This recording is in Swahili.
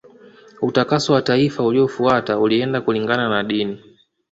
Utakaso wa taifa uliofuata ulienda kulingana na dini